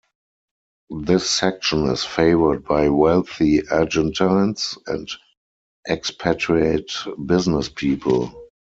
This section is favored by wealthy Argentines and expatriate businesspeople.